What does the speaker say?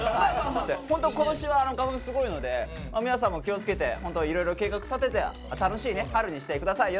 ホント今年は花粉すごいので皆さんも気をつけてホントいろいろ計画立てて楽しいね春にして下さい。